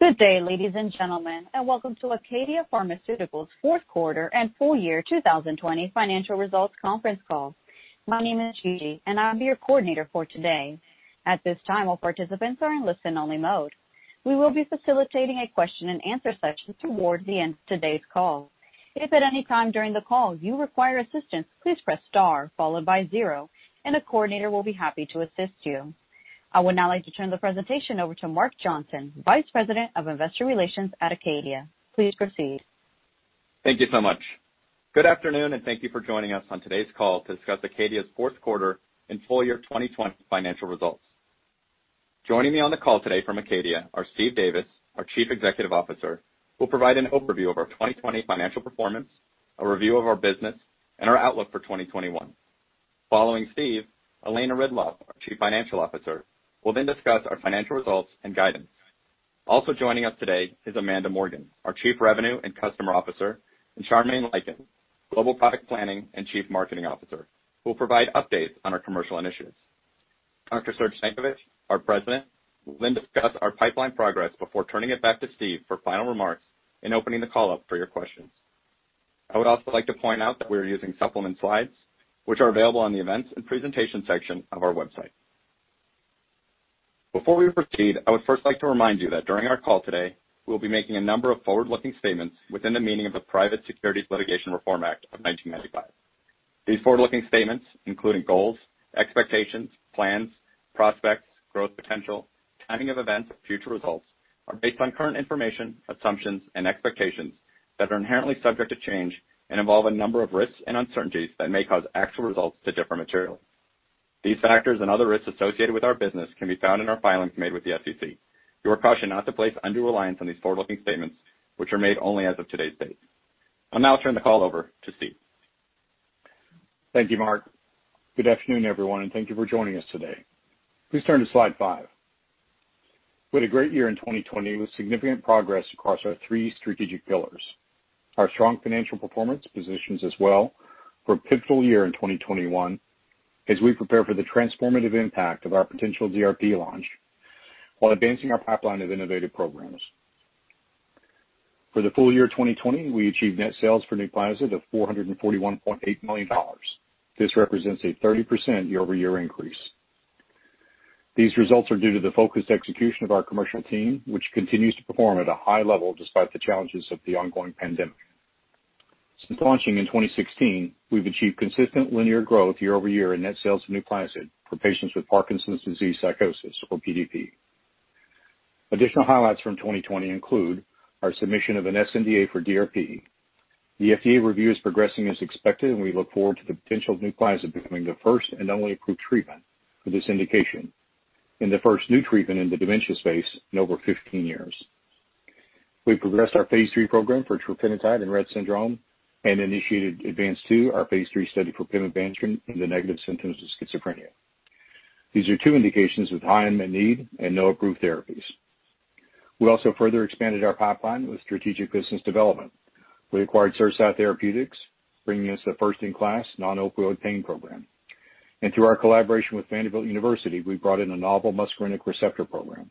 Good day, ladies and gentlemen, and welcome to ACADIA Pharmaceuticals' fourth quarter and full year 2020 financial results conference call. My name is Gigi, and I'll be your coordinator for today. At this time, all participants are in listen-only mode. We will be facilitating a question and answer session towards the end of today's call. If at any time during the call you require assistance, please press star followed by zero, and a coordinator will be happy to assist you. I would now like to turn the presentation over to Mark Johnson, Vice President of Investor Relations at ACADIA. Please proceed. Thank you so much. Good afternoon, and thank you for joining us on today's call to discuss ACADIA's fourth quarter and full year 2020 financial results. Joining me on the call today from ACADIA are Steve Davis, our Chief Executive Officer, who will provide an overview of our 2020 financial performance, a review of our business, and our outlook for 2021. Following Steve, Elena Ridloff, our Chief Financial Officer, will then discuss our financial results and guidance. Also joining us today is Amanda Morgan, our Chief Revenue and Customer Officer, and Charmaine Lykins, Global Product Planning and Chief Marketing Officer, who will provide updates on our commercial initiatives. Dr. Srdjan Stankovic, our President, will then discuss our pipeline progress before turning it back to Steve for final remarks and opening the call up for your questions. I would also like to point out that we are using supplement slides, which are available on the Events and Presentation section of our website. Before we proceed, I would first like to remind you that during our call today, we will be making a number of forward-looking statements within the meaning of the Private Securities Litigation Reform Act of 1995. These forward-looking statements, including goals, expectations, plans, prospects, growth potential, timing of events, future results, are based on current information, assumptions, and expectations that are inherently subject to change and involve a number of risks and uncertainties that may cause actual results to differ materially. These factors and other risks associated with our business can be found in our filings made with the SEC. You are cautioned not to place undue reliance on these forward-looking statements, which are made only as of today's date. I'll now turn the call over to Steve. Thank you, Mark. Good afternoon, everyone, and thank you for joining us today. Please turn to slide five. We had a great year in 2020, with significant progress across our three strategic pillars. Our strong financial performance positions us well for a pivotal year in 2021 as we prepare for the transformative impact of our potential DRP launch while advancing our pipeline of innovative programs. For the full year 2020, we achieved net sales for NUPLAZID of $441.8 million. This represents a 30% year-over-year increase. These results are due to the focused execution of our commercial team, which continues to perform at a high level despite the challenges of the ongoing pandemic. Since launching in 2016, we've achieved consistent linear growth year-over-year in net sales of NUPLAZID for patients with Parkinson's disease psychosis, or PDP. Additional highlights from 2020 include our submission of an sNDA for DRP. The FDA review is progressing as expected. We look forward to the potential of NUPLAZID becoming the first and only approved treatment for this indication and the first new treatment in the dementia space in over 15 years. We've progressed our phase III program for trofinetide in Rett syndrome and initiated ADVANCE-2, our phase III study for pimavanserin in the negative symptoms of schizophrenia. These are two indications with high unmet need and no approved therapies. We also further expanded our pipeline with strategic business development. We acquired CerSci Therapeutics, bringing us a first-in-class non-opioid pain program. Through our collaboration with Vanderbilt University, we brought in a novel muscarinic receptor program.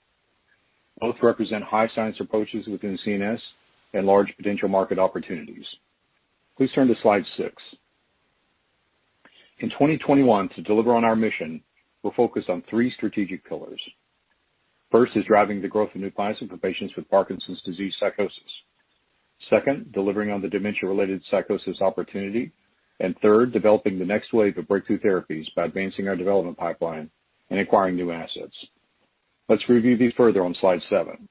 Both represent high science approaches within CNS and large potential market opportunities. Please turn to slide six. In 2021, to deliver on our mission, we're focused on three strategic pillars. First is driving the growth of NUPLAZID for patients with Parkinson's disease psychosis. Second, delivering on the dementia-related psychosis opportunity. Third, developing the next wave of breakthrough therapies by advancing our development pipeline and acquiring new assets. Let's review these further on slide seven.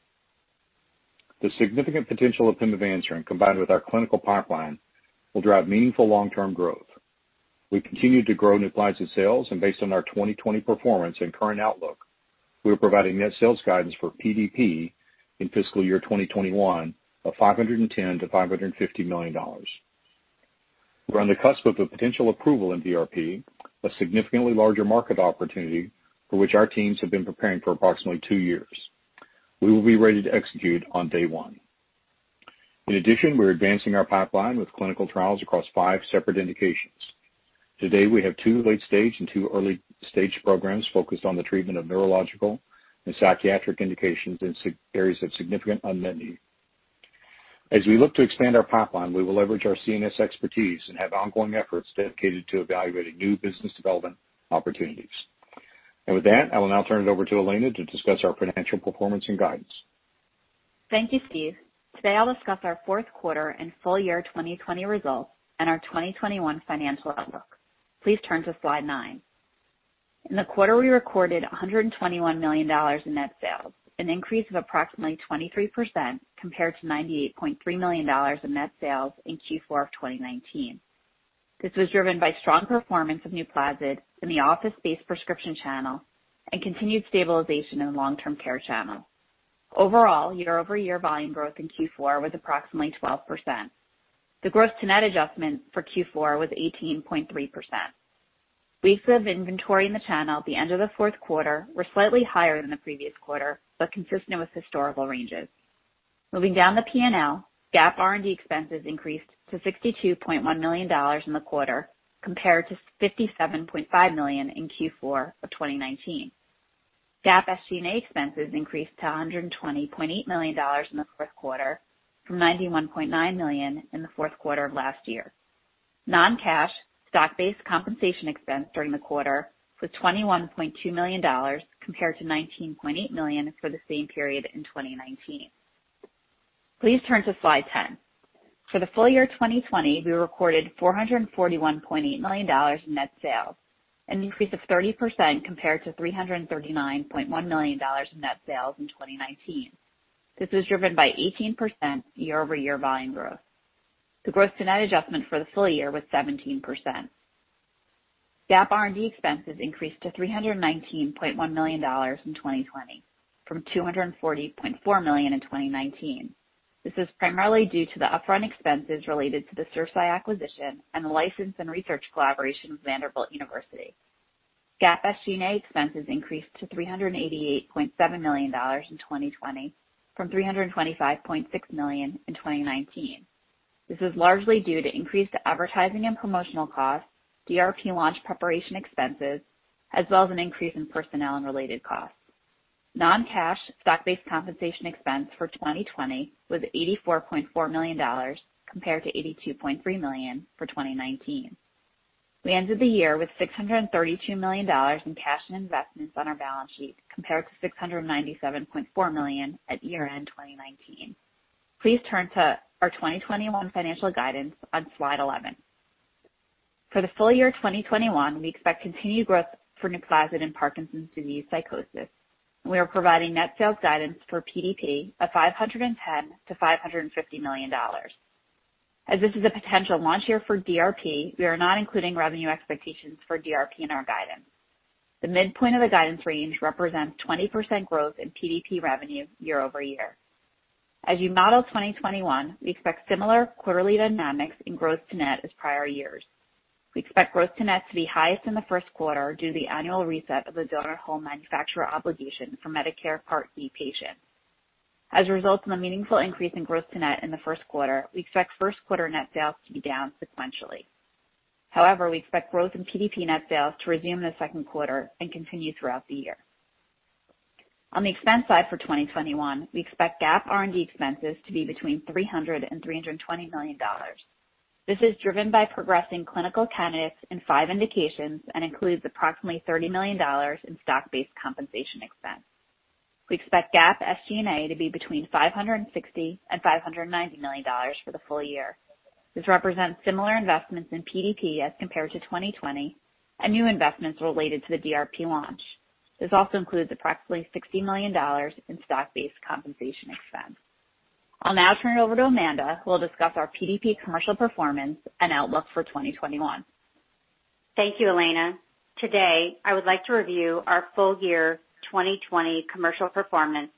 The significant potential of pimavanserin, combined with our clinical pipeline, will drive meaningful long-term growth. We continue to grow NUPLAZID sales, and based on our 2020 performance and current outlook, we are providing net sales guidance for PDP in fiscal year 2021 of $510 million to $550 million. We're on the cusp of a potential approval in DRP, a significantly larger market opportunity for which our teams have been preparing for approximately two years. We will be ready to execute on day one. In addition, we're advancing our pipeline with clinical trials across five separate indications. To date, we have two late-stage and two early-stage programs focused on the treatment of neurological and psychiatric indications in areas of significant unmet need. As we look to expand our pipeline, we will leverage our CNS expertise and have ongoing efforts dedicated to evaluating new business development opportunities. With that, I will now turn it over to Elena to discuss our financial performance and guidance. Thank you, Steve. Today, I'll discuss our fourth quarter and full year 2020 results and our 2021 financial outlook. Please turn to slide nine. In the quarter, we recorded $121 million in net sales, an increase of approximately 23% compared to $98.3 million in net sales in Q4 of 2019. This was driven by strong performance of NUPLAZID in the office-based prescription channel and continued stabilization in the long-term care channel. Overall, year-over-year volume growth in Q4 was approximately 12%. The gross to net adjustment for Q4 was 18.3%. Weeks of inventory in the channel at the end of the fourth quarter were slightly higher than the previous quarter, but consistent with historical ranges. Moving down the P&L, GAAP R&D expenses increased to $62.1 million in the quarter compared to $57.5 million in Q4 of 2019. GAAP SG&A expenses increased to $120.8 million in the fourth quarter from $91.9 million in the fourth quarter of last year. Non-cash stock-based compensation expense during the quarter was $21.2 million compared to $19.8 million for the same period in 2019. Please turn to slide 10. For the full year 2020, we recorded $441.8 million in net sales, an increase of 30% compared to $339.1 million in net sales in 2019. This was driven by 18% year-over-year volume growth. The gross to net adjustment for the full year was 17%. GAAP R&D expenses increased to $319.1 million in 2020 from $240.4 million in 2019. This is primarily due to the upfront expenses related to the CerSci acquisition and the license and research collaboration with Vanderbilt University. GAAP SG&A expenses increased to $388.7 million in 2020 from $325.6 million in 2019. This is largely due to increased advertising and promotional costs, DRP launch preparation expenses, as well as an increase in personnel and related costs. Non-cash stock-based compensation expense for 2020 was $84.4 million compared to $82.3 million for 2019. We ended the year with $632 million in cash and investments on our balance sheet compared to $697.4 million at year-end 2019. Please turn to our 2021 financial guidance on slide eleven. For the full year 2021, we expect continued growth for NUPLAZID in Parkinson's disease psychosis. We are providing net sales guidance for PDP of $510 million-$550 million. As this is a potential launch year for DRP, we are not including revenue expectations for DRP in our guidance. The midpoint of the guidance range represents 20% growth in PDP revenue year-over-year. As you model 2021, we expect similar quarterly dynamics in growth to net as prior years. We expect growth to net to be highest in the first quarter due to the annual reset of the donut hole manufacturer obligation for Medicare Part D patients. As a result of a meaningful increase in growth to net in the first quarter, we expect first quarter net sales to be down sequentially. However, we expect growth in PDP net sales to resume in the second quarter and continue throughout the year. On the expense side for 2021, we expect GAAP R&D expenses to be between $300 million and $320 million. This is driven by progressing clinical candidates in five indications and includes approximately $30 million in stock-based compensation expense. We expect GAAP SG&A to be between $560 million and $590 million for the full year. This represents similar investments in PDP as compared to 2020 and new investments related to the DRP launch. This also includes approximately $60 million in stock-based compensation expense. I'll now turn it over to Amanda, who will discuss our PDP commercial performance and outlook for 2021. Thank you, Elena. Today, I would like to review our full year 2020 commercial performance,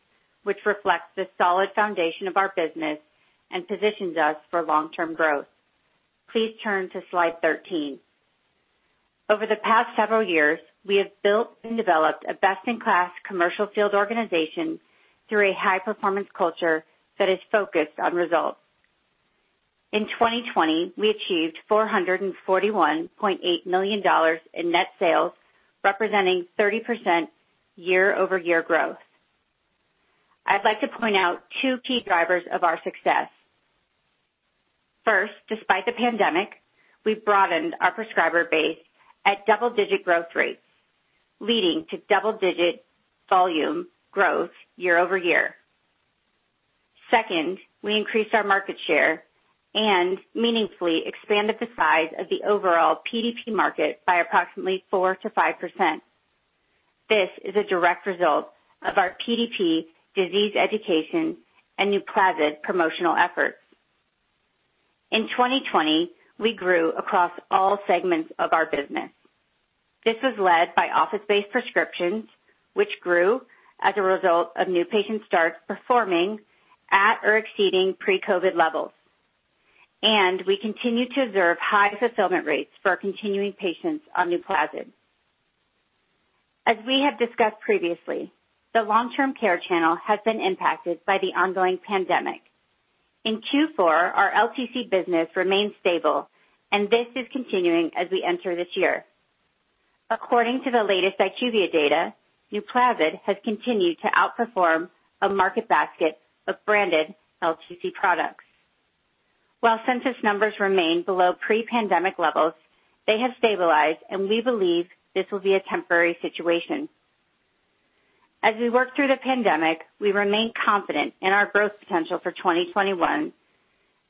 which reflects the solid foundation of our business and positions us for long-term growth. Please turn to slide 13. Over the past several years, we have built and developed a best-in-class commercial field organization through a high-performance culture that is focused on results. In 2020, we achieved $441.8 million in net sales, representing 30% year-over-year growth. I'd like to point out two key drivers of our success. First, despite the pandemic, we've broadened our prescriber base at double-digit growth rates, leading to double-digit volume growth year-over-year. Second, we increased our market share and meaningfully expanded the size of the overall PDP market by approximately 4%-5%. This is a direct result of our PDP disease education and NUPLAZID promotional efforts. In 2020, we grew across all segments of our business. This was led by office-based prescriptions, which grew as a result of new patient starts performing at or exceeding pre-COVID levels. We continue to observe high fulfillment rates for our continuing patients on NUPLAZID. As we have discussed previously, the long-term care channel has been impacted by the ongoing pandemic. In Q4, our LTC business remained stable, and this is continuing as we enter this year. According to the latest IQVIA data, NUPLAZID has continued to outperform a market basket of branded LTC products. While census numbers remain below pre-pandemic levels, they have stabilized, and we believe this will be a temporary situation. As we work through the pandemic, we remain confident in our growth potential for 2021,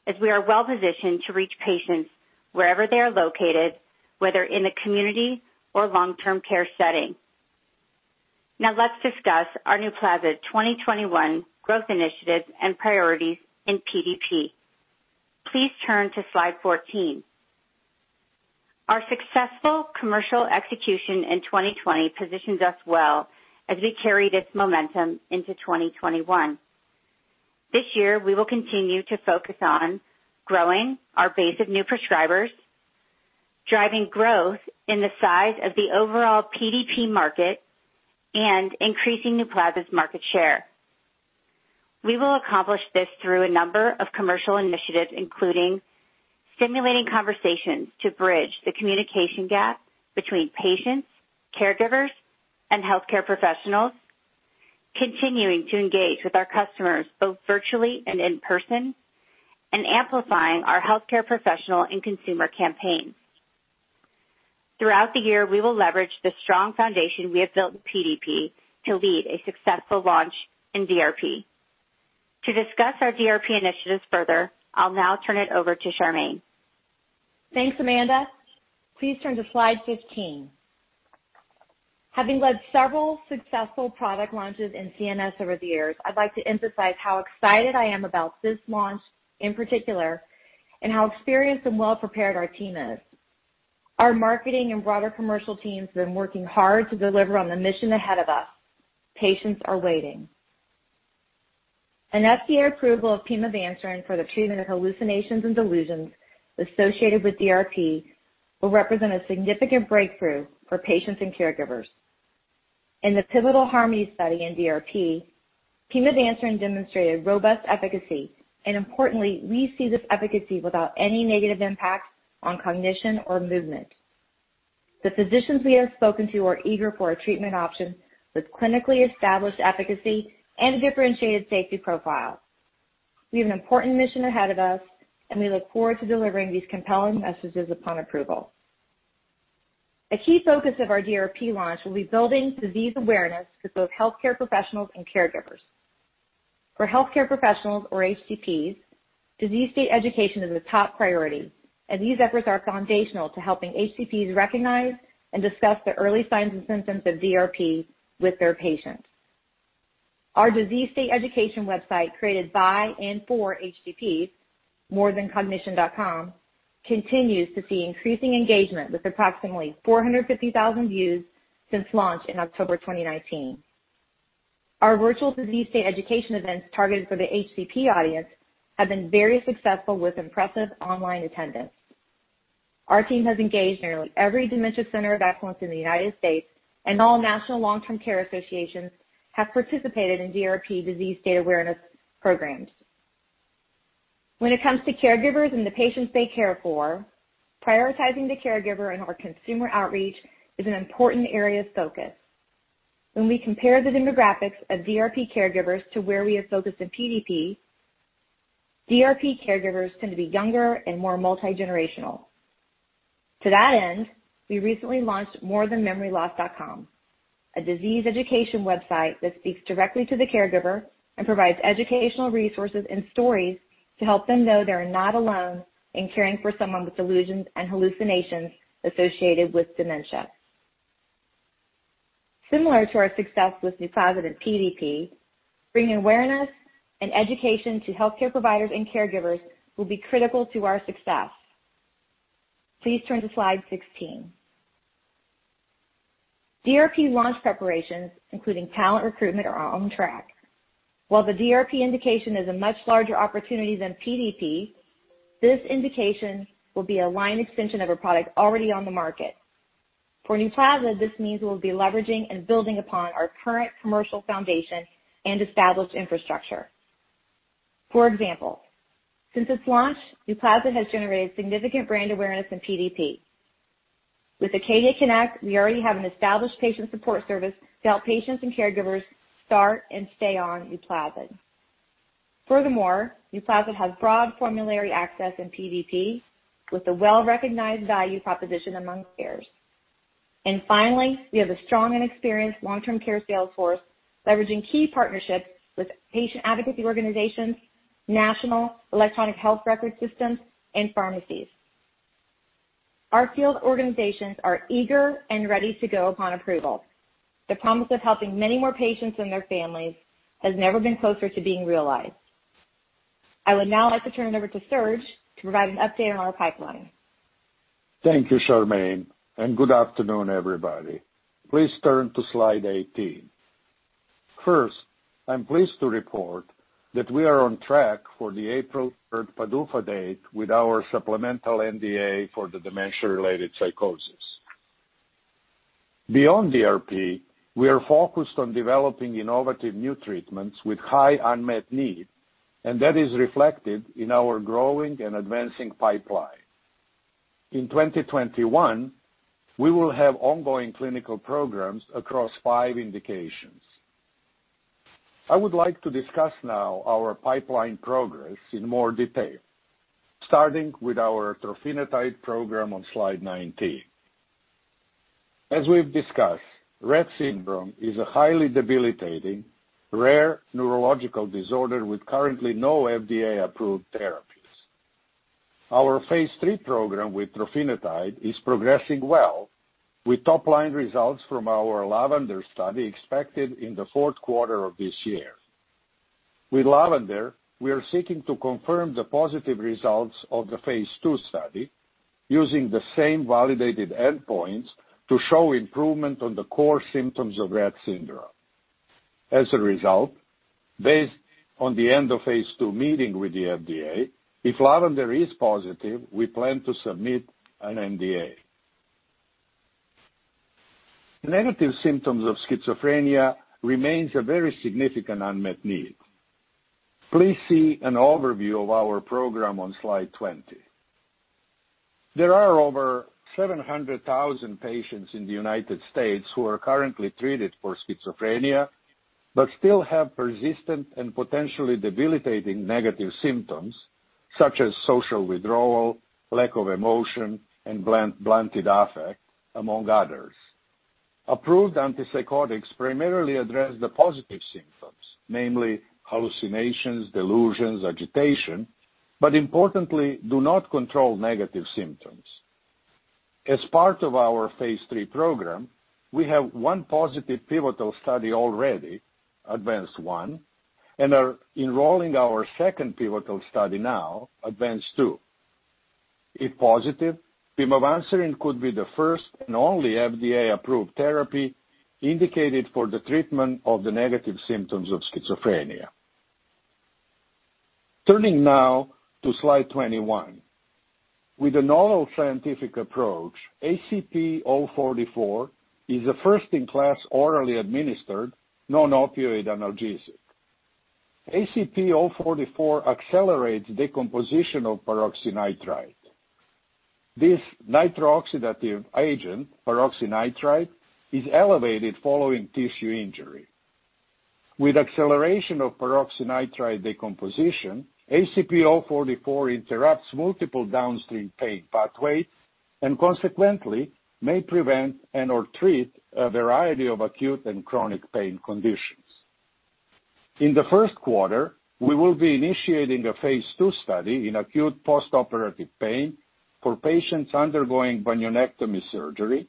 as we are well positioned to reach patients wherever they are located, whether in a community or long-term care setting. Now let's discuss our NUPLAZID 2021 growth initiatives and priorities in PDP. Please turn to slide 14. Our successful commercial execution in 2020 positions us well as we carry this momentum into 2021. This year, we will continue to focus on growing our base of new prescribers, driving growth in the size of the overall PDP market and increasing NUPLAZID's market share. We will accomplish this through a number of commercial initiatives, including stimulating conversations to bridge the communication gap between patients, caregivers, and healthcare professionals, continuing to engage with our customers both virtually and in person, and amplifying our healthcare professional and consumer campaigns. Throughout the year, we will leverage the strong foundation we have built with PDP to lead a successful launch in DRP. To discuss our DRP initiatives further, I'll now turn it over to Charmaine. Thanks, Amanda. Please turn to slide 15. Having led several successful product launches in CNS over the years, I'd like to emphasize how excited I am about this launch in particular, and how experienced and well-prepared our team is. Our marketing and broader commercial teams have been working hard to deliver on the mission ahead of us. Patients are waiting. An FDA approval of pimavanserin for the treatment of hallucinations and delusions associated with DRP will represent a significant breakthrough for patients and caregivers. In the pivotal HARMONY study in DRP, pimavanserin demonstrated robust efficacy, and importantly, we see this efficacy without any negative impact on cognition or movement. The physicians we have spoken to are eager for a treatment option with clinically established efficacy and a differentiated safety profile. We have an important mission ahead of us, and we look forward to delivering these compelling messages upon approval. A key focus of our DRP launch will be building disease awareness with both healthcare professionals and caregivers. For healthcare professionals or HCPs, disease state education is a top priority, and these efforts are foundational to helping HCPs recognize and discuss the early signs and symptoms of DRP with their patients. Our disease state education website created by and for HCPs, morethancognition.com, continues to see increasing engagement with approximately 450,000 views since launch in October 2019. Our virtual disease state education events targeted for the HCP audience have been very successful with impressive online attendance. Our team has engaged nearly every dementia center of excellence in the United States, and all national long-term care associations have participated in DRP disease state awareness programs. When it comes to caregivers and the patients they care for, prioritizing the caregiver in our consumer outreach is an important area of focus. When we compare the demographics of DRP caregivers to where we are focused in PDP, DRP caregivers tend to be younger and more multi-generational. To that end, we recently launched morethanmemoryloss.com, a disease education website that speaks directly to the caregiver and provides educational resources and stories to help them know they are not alone in caring for someone with delusions and hallucinations associated with dementia. Similar to our success with NUPLAZID in PDP, bringing awareness and education to healthcare providers and caregivers will be critical to our success. Please turn to slide 16. DRP launch preparations, including talent recruitment, are on track. While the DRP indication is a much larger opportunity than PDP, this indication will be a line extension of a product already on the market. For NUPLAZID, this means we'll be leveraging and building upon our current commercial foundation and established infrastructure. For example, since its launch, NUPLAZID has generated significant brand awareness in PDP. With Acadia Connect, we already have an established patient support service to help patients and caregivers start and stay on NUPLAZID. NUPLAZID has broad formulary access in PDP with a well-recognized value proposition among payers. Finally, we have a strong and experienced long-term care sales force leveraging key partnerships with patient advocacy organizations, national electronic health record systems, and pharmacies. Our field organizations are eager and ready to go upon approval. The promise of helping many more patients and their families has never been closer to being realized. I would now like to turn it over to Srdjan to provide an update on our pipeline. Thank you, Charmaine, and good afternoon, everybody. Please turn to slide 18. First, I'm pleased to report that we are on track for the April 3rd PDUFA date with our supplemental NDA for the dementia-related psychosis. Beyond DRP, we are focused on developing innovative new treatments with high unmet need, and that is reflected in our growing and advancing pipeline. In 2021, we will have ongoing clinical programs across five indications. I would like to discuss now our pipeline progress in more detail, starting with our trofinetide program on slide 19. As we've discussed, Rett syndrome is a highly debilitating, rare neurological disorder with currently no FDA-approved therapies. Our phase III program with trofinetide is progressing well, with top-line results from our LAVENDER study expected in the fourth quarter of this year. With LAVENDER, we are seeking to confirm the positive results of the phase II study using the same validated endpoints to show improvement on the core symptoms of Rett syndrome. As a result, based on the end of phase II meeting with the FDA, if LAVENDER is positive, we plan to submit an NDA. Negative symptoms of schizophrenia remains a very significant unmet need. Please see an overview of our program on slide 20. There are over 700,000 patients in the U.S. who are currently treated for schizophrenia, but still have persistent and potentially debilitating negative symptoms such as social withdrawal, lack of emotion, and blunted affect, among others. Approved antipsychotics primarily address the positive symptoms, namely hallucinations, delusions, agitation, importantly, do not control negative symptoms. As part of our phase III program, we have one positive pivotal study already, ADVANCE 1, and are enrolling our second pivotal study now, ADVANCE 2. If positive, pimavanserin could be the first and only FDA-approved therapy indicated for the treatment of the negative symptoms of schizophrenia. Turning now to slide 21. With a novel scientific approach, ACP-044 is a first-in-class orally administered, non-opioid analgesic. ACP-044 accelerates decomposition of peroxynitrite. This nitro-oxidative agent, peroxynitrite, is elevated following tissue injury. With acceleration of peroxynitrite decomposition, ACP-044 interrupts multiple downstream pain pathways and consequently may prevent and/or treat a variety of acute and chronic pain conditions. In the first quarter, we will be initiating a phase II study in acute postoperative pain for patients undergoing bunionectomy surgery,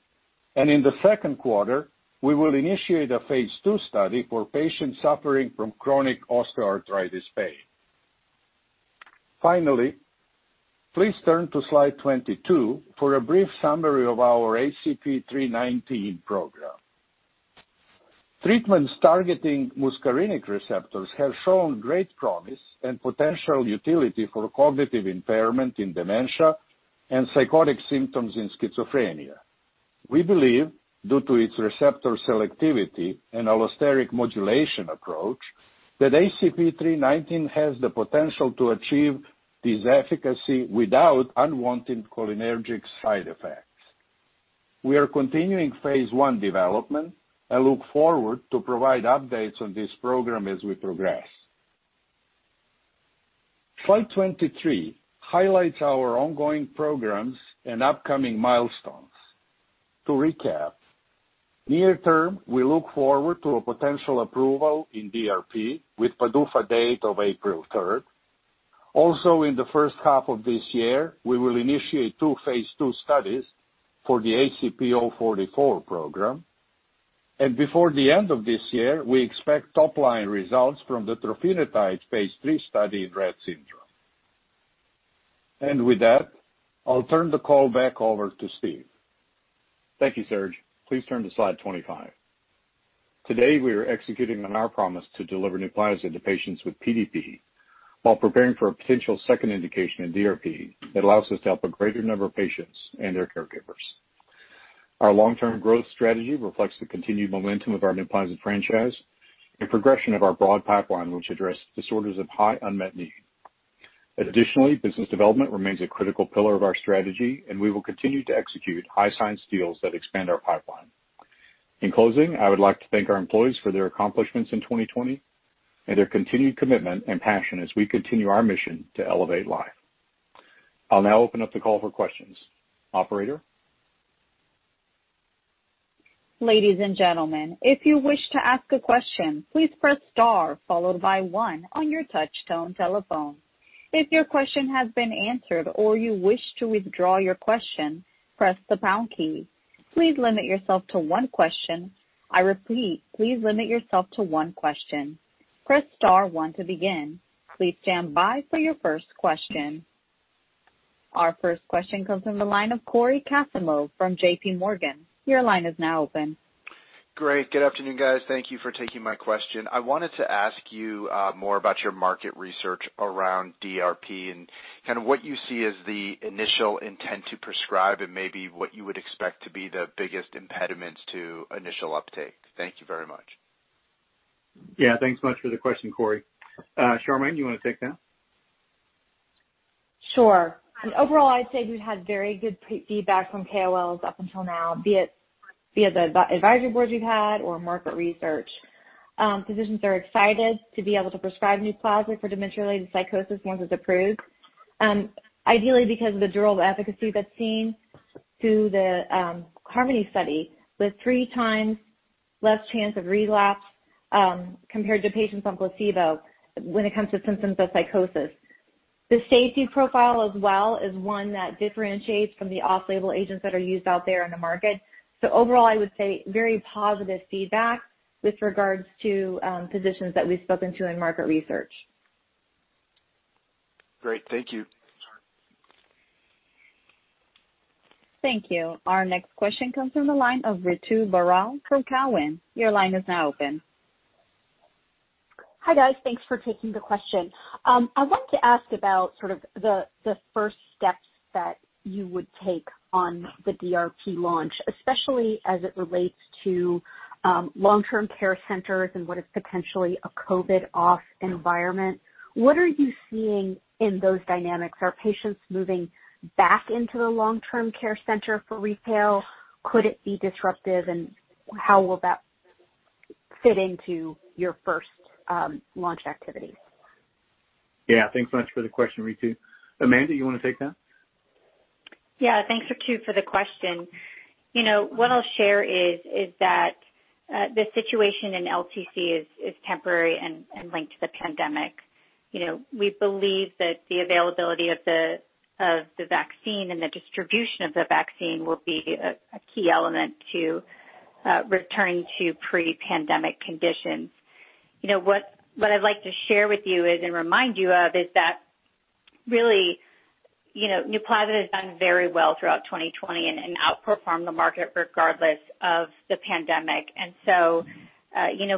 and in the second quarter, we will initiate a phase II study for patients suffering from chronic osteoarthritis pain. Finally, please turn to slide 22 for a brief summary of our ACP-319 program. Treatments targeting muscarinic receptors have shown great promise and potential utility for cognitive impairment in dementia and psychotic symptoms in schizophrenia. We believe, due to its receptor selectivity and allosteric modulation approach, that ACP-319 has the potential to achieve this efficacy without unwanted cholinergic side effects. We are continuing phase I development and look forward to provide updates on this program as we progress. Slide 23 highlights our ongoing programs and upcoming milestones. To recap, near term, we look forward to a potential approval in DRP with PDUFA date of April 3rd. Also in the first half of this year, we will initiate two phase II studies for the ACP-044 program. Before the end of this year, we expect top-line results from the trofinetide phase III study in Rett syndrome. With that, I'll turn the call back over to Steve. Thank you, Srdjan. Please turn to slide 25. Today, we are executing on our promise to deliver NUPLAZID to patients with PDP while preparing for a potential second indication in DRP that allows us to help a greater number of patients and their caregivers. Our long-term growth strategy reflects the continued momentum of our NUPLAZID franchise and progression of our broad pipeline, which address disorders of high unmet need. Additionally, business development remains a critical pillar of our strategy, and we will continue to execute high-science deals that expand our pipeline. In closing, I would like to thank our employees for their accomplishments in 2020 and their continued commitment and passion as we continue our mission to elevate life. I'll now open up the call for questions. Operator? Ladies and gentlemen, if you wish to ask a question, please press star followed by one on your touchtone telephone. If your question has been answered or you wish to withdraw your question, press the pound key. Please limit yourself to one question. I repeat, please limit yourself to one question. Press star one to begin. Please stand by for your first question. Our first question comes from the line of Cory Kasimov from JPMorgan. Your line is now open. Great. Good afternoon, guys. Thank you for taking my question. I wanted to ask you more about your market research around DRP and what you see as the initial intent to prescribe and maybe what you would expect to be the biggest impediments to initial uptake. Thank you very much. Yeah. Thanks so much for the question, Cory. Charmaine, do you want to take that? Sure. Overall, I'd say we've had very good feedback from KOLs up until now, be it via the advisory boards we've had or market research. Physicians are excited to be able to prescribe NUPLAZID for dementia-related psychosis once it's approved. Ideally, because of the durable efficacy that's seen through the HARMONY study, with 3x less chance of relapse compared to patients on placebo when it comes to symptoms of psychosis. The safety profile as well is one that differentiates from the off-label agents that are used out there in the market. Overall, I would say very positive feedback with regards to physicians that we've spoken to in market research. Great. Thank you. Thank you. Our next question comes from the line of Ritu Baral from Cowen. Your line is now open. Hi, guys. Thanks for taking the question. I wanted to ask about the first steps that you would take on the DRP launch, especially as it relates to long-term care centers and what is potentially a COVID off environment. What are you seeing in those dynamics? Are patients moving back into the long-term care center for retail? Could it be disruptive, and how will that fit into your first launch activities? Yeah. Thanks so much for the question, Ritu. Amanda, you want to take that? Thanks, Ritu, for the question. What I'll share is that the situation in LTC is temporary and linked to the pandemic. We believe that the availability of the vaccine and the distribution of the vaccine will be a key element to returning to pre-pandemic conditions. What I'd like to share with you is, and remind you of, is that really, NUPLAZID has done very well throughout 2020 and outperformed the market regardless of the pandemic.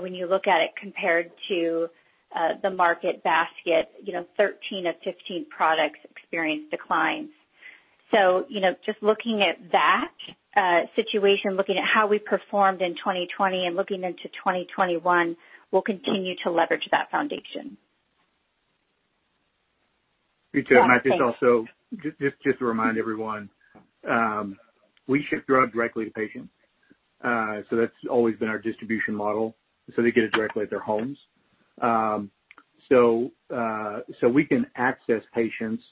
When you look at it compared to the market basket, 13 of 15 products experienced declines. Just looking at that situation, looking at how we performed in 2020 and looking into 2021, we'll continue to leverage that foundation. Yeah. Thanks. Ritu, I think also, just to remind everyone, we ship drug directly to patients. That's always been our distribution model. They get it directly at their homes. We can access patients,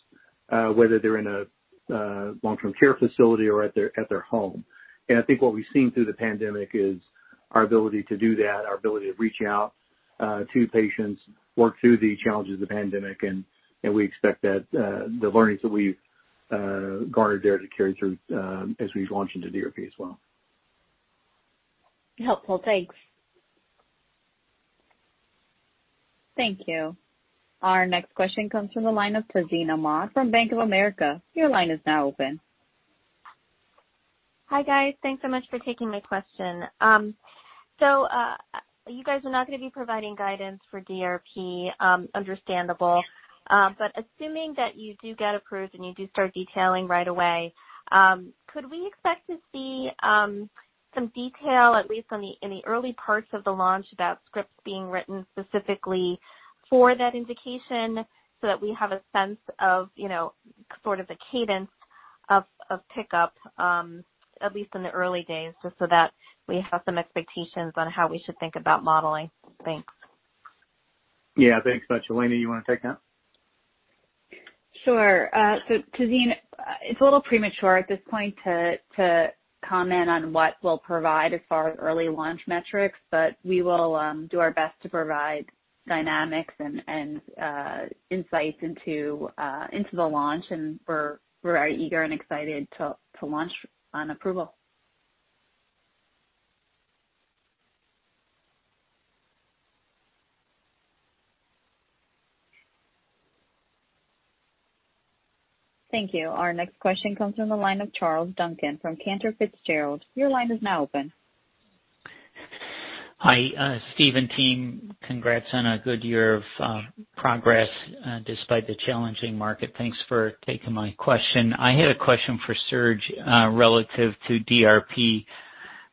whether they're in a long-term care facility or at their home. I think what we've seen through the pandemic is our ability to do that, our ability to reach out to patients, work through the challenges of the pandemic, and we expect that the learnings that we've garnered there to carry through as we launch into DRP as well. Helpful. Thanks. Thank you. Our next question comes from the line of Tazeen Ahmad from Bank of America. Your line is now open. Hi, guys. Thanks so much for taking my question. You guys are not going to be providing guidance for DRP, understandable. Assuming that you do get approved and you do start detailing right away, could we expect to see some detail, at least in the early parts of the launch, about scripts being written specifically for that indication so that we have a sense of the cadence of pickup, at least in the early days, just so that we have some expectations on how we should think about modeling? Thanks. Yeah. Thanks so much. Elena, you want to take that? Sure. Tazeen, it's a little premature at this point to comment on what we'll provide as far as early launch metrics, but we will do our best to provide dynamics and insights into the launch, and we're very eager and excited to launch on approval. Thank you. Our next question comes from the line of Charles Duncan from Cantor Fitzgerald. Your line is now open. Hi, Steve and team. Congrats on a good year of progress despite the challenging market. Thanks for taking my question. I had a question for Srdjan relative to DRP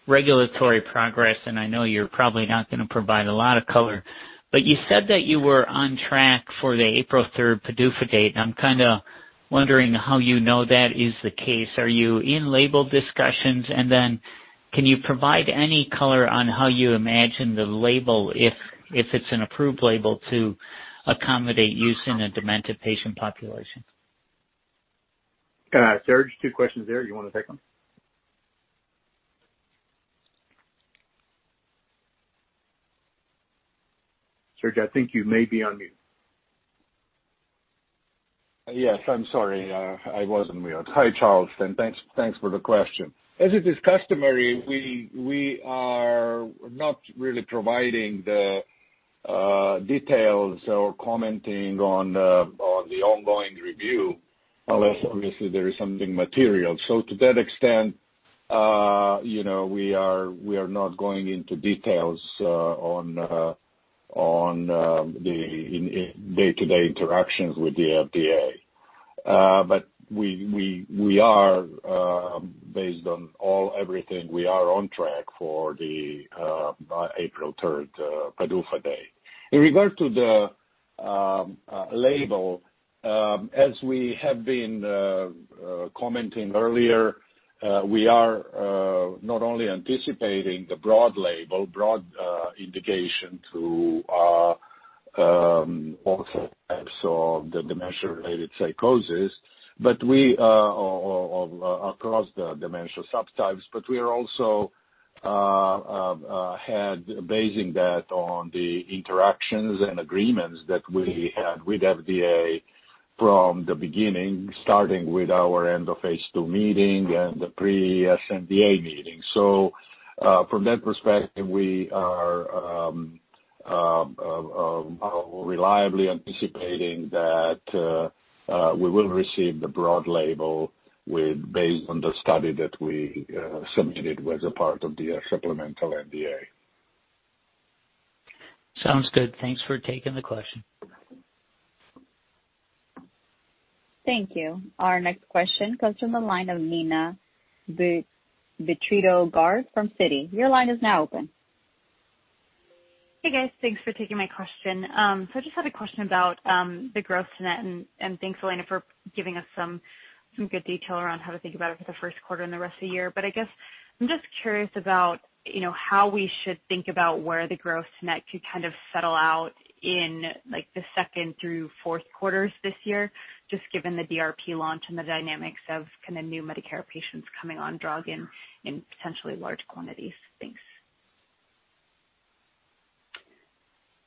regulatory progress. I know you're probably not going to provide a lot of color. You said that you were on track for the April 3rd PDUFA date. I'm kind of wondering how you know that is the case. Are you in label discussions? Then can you provide any color on how you imagine the label, if it's an approved label, to accommodate use in a demented patient population? Srdjan, two questions there. You want to take them? Srdjan, I think you may be on mute. Yes. I'm sorry. I was on mute. Hi, Charles, and thanks for the question. As it is customary, we are not really providing the details or commenting on the ongoing review, unless obviously there is something material. To that extent, we are not going into details on the day-to-day interactions with the FDA. Based on everything, we are on track for the April 3rd PDUFA date. In regard to the label, as we have been commenting earlier, we are not only anticipating the broad label, broad indication to also absorb the dementia-related psychoses across the dementia subtypes, but we are also basing that on the interactions and agreements that we had with FDA from the beginning, starting with our end of phase II meeting and the pre-sNDA meeting. From that perspective, we are Reliably anticipating that we will receive the broad label based on the study that we submitted as a part of the supplemental NDA. Sounds good. Thanks for taking the question. Thank you. Our next question comes from the line of Neena Bitritto-Garg from Citi. Your line is now open. Hey, guys. Thanks for taking my question. I just had a question about the growth to net, and thanks, Elena, for giving us some good detail around how to think about it for the first quarter and the rest of the year. I guess I'm just curious about how we should think about where the growth to net could kind of settle out in the second through fourth quarters this year, just given the DRP launch and the dynamics of kind of new Medicare patients coming on drug in potentially large quantities. Thanks.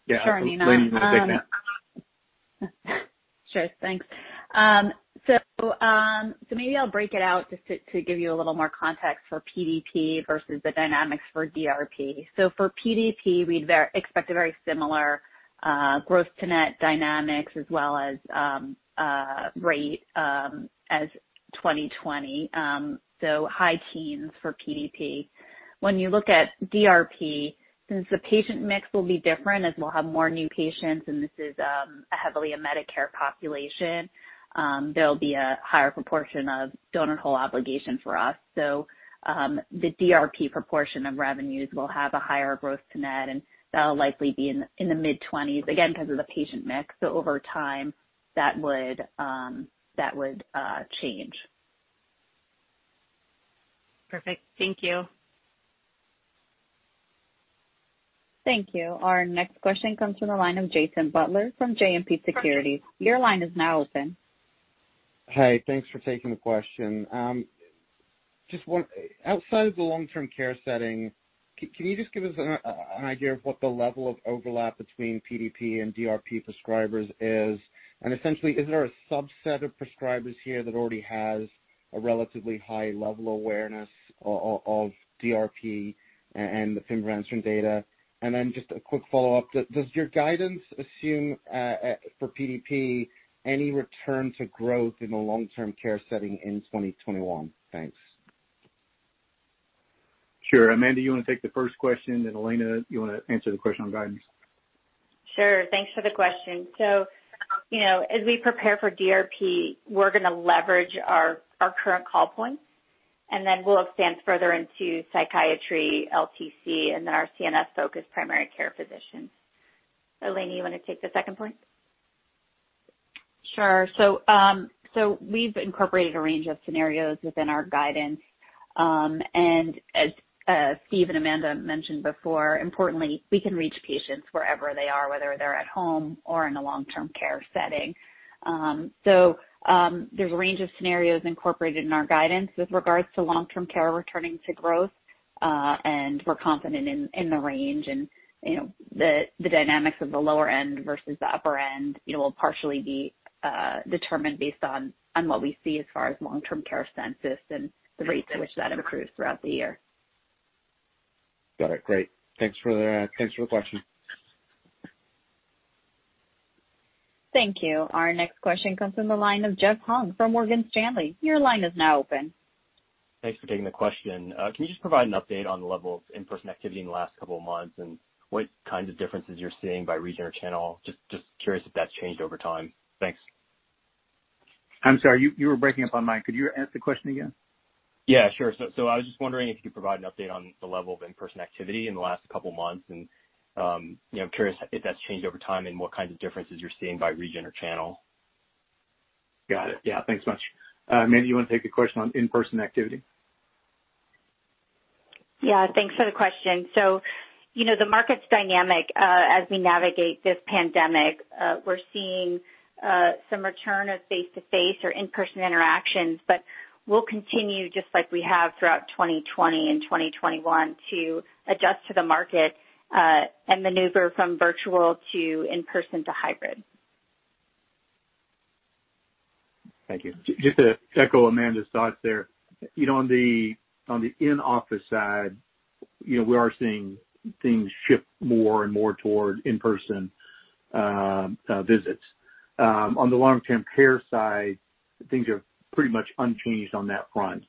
Yeah. Sure, Neena. Elena, you want to take that? Sure. Thanks. Maybe I'll break it out just to give you a little more context for PDP versus the dynamics for DRP. For PDP, we'd expect a very similar growth to net dynamics as well as rate as 2020. High teens for PDP. When you look at DRP, since the patient mix will be different, as we'll have more new patients, and this is heavily a Medicare population, there'll be a higher proportion of donut hole obligation for us. The DRP proportion of revenues will have a higher growth to net, and that'll likely be in the mid-20s, again because of the patient mix. Over time, that would change. Perfect. Thank you. Thank you. Our next question comes from the line of Jason Butler from JMP Securities. Your line is now open. Hi. Thanks for taking the question. Outside of the long-term care setting, can you just give us an idea of what the level of overlap between PDP and DRP prescribers is? Essentially, is there a subset of prescribers here that already has a relatively high level awareness of DRP and the pimavanserin data? Then just a quick follow-up, does your guidance assume, for PDP, any return to growth in the long-term care setting in 2021? Thanks. Sure. Amanda, you want to take the first question, then Elena, you want to answer the question on guidance? Sure. Thanks for the question. As we prepare for DRP, we're going to leverage our current call points, and then we'll expand further into psychiatry, LTC, and then our CNS-focused primary care physicians. Elena, you want to take the second point? Sure. We've incorporated a range of scenarios within our guidance. As Steve and Amanda mentioned before, importantly, we can reach patients wherever they are, whether they're at home or in a long-term care setting. There's a range of scenarios incorporated in our guidance with regards to long-term care returning to growth. We're confident in the range and the dynamics of the lower end versus the upper end. It will partially be determined based on what we see as far as long-term care census and the rates at which that accrues throughout the year. Got it. Great. Thanks for the question. Thank you. Our next question comes from the line of Jeff Hung from Morgan Stanley. Your line is now open. Thanks for taking the question. Can you just provide an update on the level of in-person activity in the last couple of months and what kinds of differences you're seeing by region or channel? Just curious if that's changed over time. Thanks. I'm sorry, you were breaking up on my end. Could you ask the question again? Yeah, sure. I was just wondering if you could provide an update on the level of in-person activity in the last couple of months, and I'm curious if that's changed over time and what kinds of differences you're seeing by region or channel. Got it. Yeah. Thanks so much. Amanda, you want to take the question on in-person activity? Yeah. Thanks for the question. The market's dynamic. As we navigate this pandemic, we're seeing some return of face-to-face or in-person interactions, but we'll continue just like we have throughout 2020 and 2021 to adjust to the market and maneuver from virtual to in-person to hybrid. Thank you. Just to echo Amanda's thoughts there. On the in-office side, we are seeing things shift more and more toward in-person visits. On the long-term care side, things are pretty much unchanged on that front,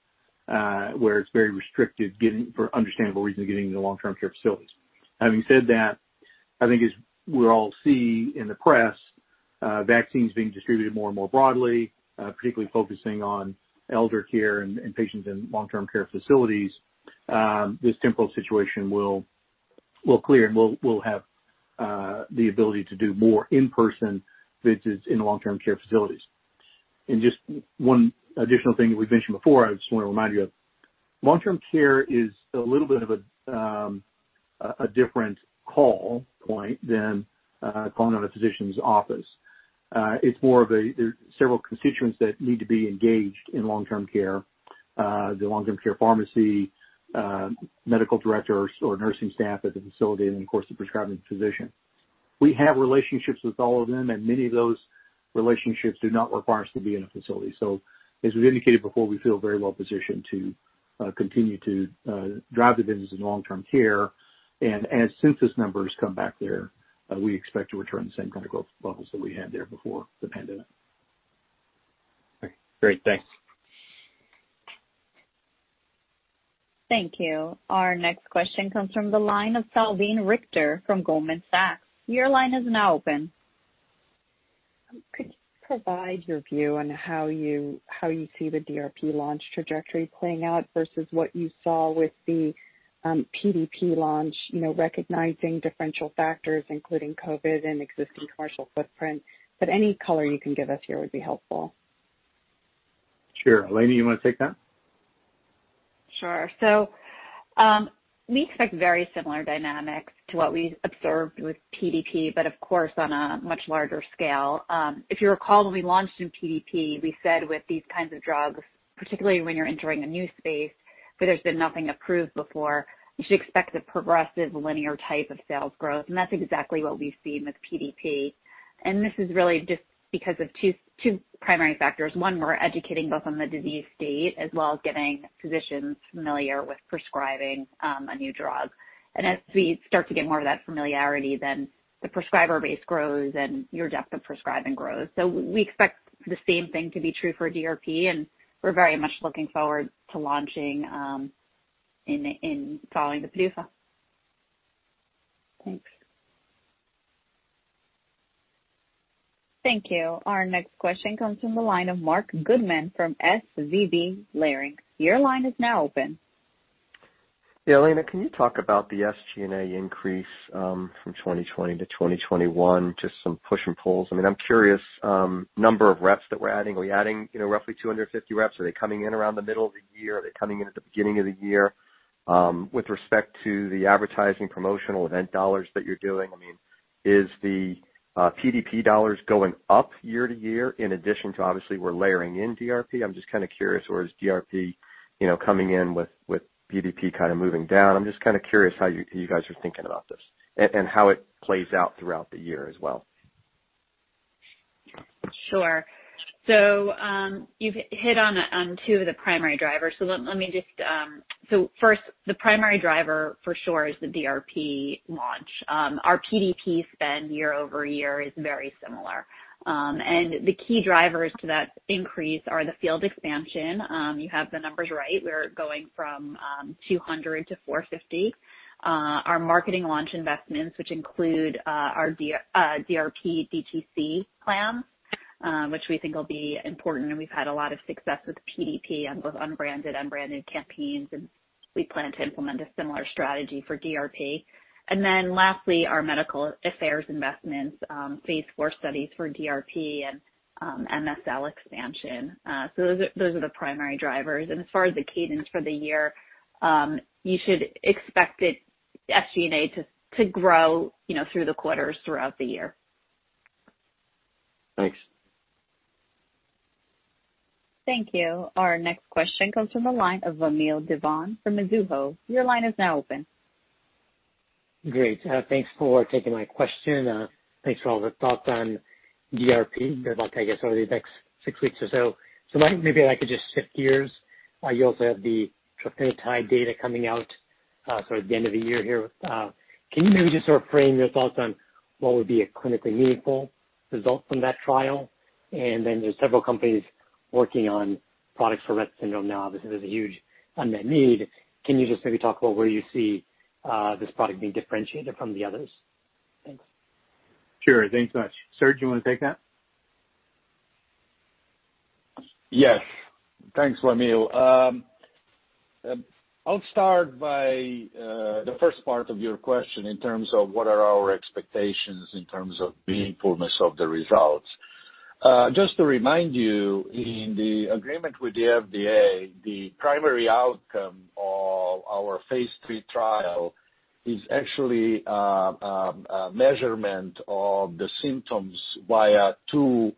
where it's very restricted, for understandable reasons, getting into long-term care facilities. Having said that, I think as we all see in the press, vaccines being distributed more and more broadly, particularly focusing on elder care and patients in long-term care facilities, this temporal situation will clear, and we'll have the ability to do more in-person visits in long-term care facilities. Just one additional thing that we've mentioned before, I just want to remind you of. Long-term care is a little bit of a different call point than calling on a physician's office. There's several constituents that need to be engaged in long-term care. The long-term care pharmacy, medical directors or nursing staff at the facility, and of course, the prescribing physician, we have relationships with all of them, and many of those relationships do not require us to be in a facility. As we've indicated before, we feel very well-positioned to continue to drive the business in long-term care. As census numbers come back there, we expect to return the same kind of growth levels that we had there before the pandemic. Great. Thanks. Thank you. Our next question comes from the line of Salveen Richter from Goldman Sachs. Your line is now open. Could you provide your view on how you see the DRP launch trajectory playing out versus what you saw with the PDP launch? Recognizing differential factors including COVID and existing commercial footprint. Any color you can give us here would be helpful. Sure. Elena, you want to take that? Sure. We expect very similar dynamics to what we observed with PDP, but of course, on a much larger scale. If you recall, when we launched in PDP, we said with these kinds of drugs, particularly when you're entering a new space where there's been nothing approved before, you should expect a progressive linear type of sales growth. That's exactly what we've seen with PDP. This is really just because of two primary factors. One, we're educating both on the disease state as well as getting physicians familiar with prescribing a new drug. As we start to get more of that familiarity, the prescriber base grows and your depth of prescribing grows. We expect the same thing to be true for DRP, and we're very much looking forward to launching, in following the PDUFA. Thanks. Thank you. Our next question comes from the line of Marc Goodman from SVB Leerink. Your line is now open. Yeah. Elena, can you talk about the SG&A increase from 2020-2021, just some push and pulls? I'm curious, number of reps that we're adding. Are we adding roughly 250 reps? Are they coming in around the middle of the year? Are they coming in at the beginning of the year? With respect to the advertising promotional event dollars that you're doing, is the PDP dollars going up year-to-year in addition to obviously we're layering in DRP? I'm just kind of curious. Is DRP coming in with PDP kind of moving down? I'm just kind of curious how you guys are thinking about this and how it plays out throughout the year as well. Sure. You've hit on two of the primary drivers. First, the primary driver for sure is the DRP launch. Our PDP spend year-over-year is very similar. The key drivers to that increase are the field expansion. You have the numbers right. We're going from 200-450. Our marketing launch investments, which include our DRP DTC plan, which we think will be important, we've had a lot of success with PDP on both unbranded and branded campaigns, we plan to implement a similar strategy for DRP. Lastly, our medical affairs investments, phase IV studies for DRP and MSL expansion. Those are the primary drivers. As far as the cadence for the year, you should expect SG&A to grow through the quarters throughout the year. Thanks. Thank you. Our next question comes from the line of Vamil Divan from Mizuho. Your line is now open. Great. Thanks for taking my question. Thanks for all the thoughts on DRP, about I guess over the next six weeks or so. Maybe I could just shift gears. You also have the trofinetide data coming out sort of the end of the year here. Can you maybe just sort of frame your thoughts on what would be a clinically meaningful result from that trial? Then there's several companies working on products for Rett syndrome now. Obviously, there's a huge unmet need. Can you just maybe talk about where you see this product being differentiated from the others? Thanks. Sure. Thanks so much. Srdjan, you want to take that? Yes. Thanks, Vamil. I'll start by the first part of your question in terms of what are our expectations in terms of meaningfulness of the results. Just to remind you, in the agreement with the FDA, the primary outcome of our phase III trial is actually a measurement of the symptoms via two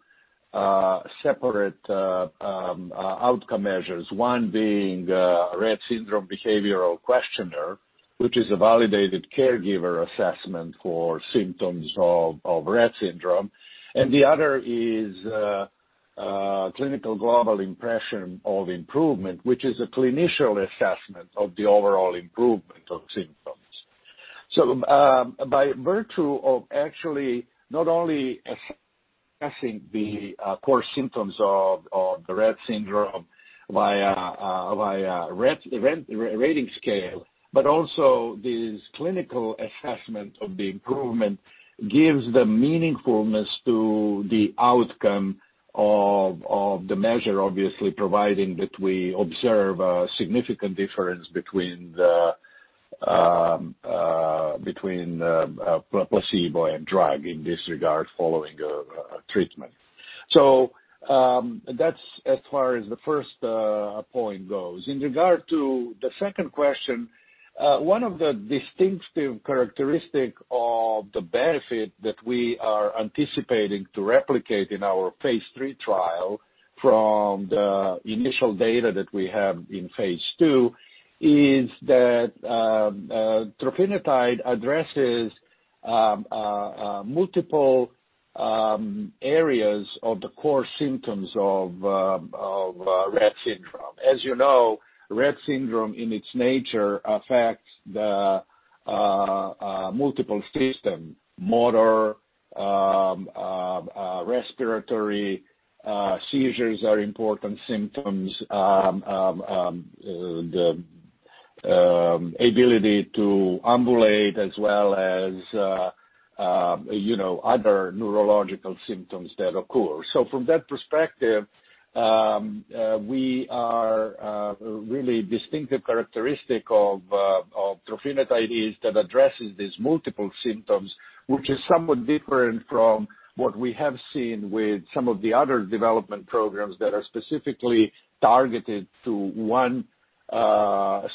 separate outcome measures, one being a Rett Syndrome Behaviour Questionnaire, which is a validated caregiver assessment for symptoms of Rett syndrome, and the other is Clinical Global Impression of Improvement, which is a clinician assessment of the overall improvement of symptoms. By virtue of actually not only assessing the core symptoms of the Rett syndrome via rating scale, but also this clinical assessment of the improvement gives the meaningfulness to the outcome of the measure, obviously, providing that we observe a significant difference between a placebo and drug in this regard following a treatment. That's as far as the first point goes. In regard to the second question, one of the distinctive characteristic of the benefit that we are anticipating to replicate in our phase III trial from the initial data that we have in phase II Is that trofinetide addresses multiple areas of the core symptoms of Rett syndrome. As you know, Rett syndrome, in its nature, affects the multiple system, motor, respiratory. Seizures are important symptoms. The ability to ambulate as well as other neurological symptoms that occur. From that perspective, we are really distinctive characteristic of trofinetide is that addresses these multiple symptoms, which is somewhat different from what we have seen with some of the other development programs that are specifically targeted to one